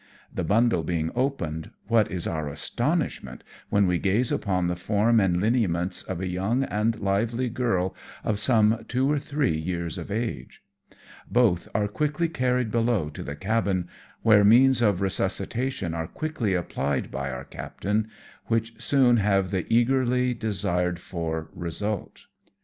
The bundle being opened, what is our astonishment when we gaze upon the form and lineaments of a young and lovely girl of some two or three years of age. Both are quickly carried below to the cabin, where means of resuscitation are quickly applied by our cap tain, which soon have the eagerly desired for result RESCUE OF THE KEGKO, JF£ WITNESS A DEED OF HEROISM.